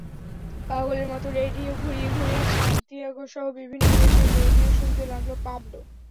পাগলের মতো রেডিও ঘুরিয়ে ঘুরিয়ে সান্তিয়াগোসহ বিভিন্ন দেশের রেডিও শুনতে লাগল পাবলো।